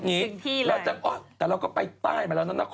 เหลือหรอยัง